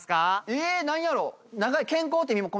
え何やろ？